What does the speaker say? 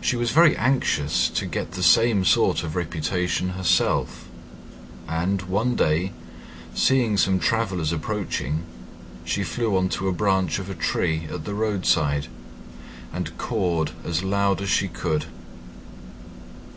She was very anxious to get the same sort of reputation herself; and, one day, seeing some travellers approaching, she flew on to a branch of a tree at the roadside and cawed as loud as she could.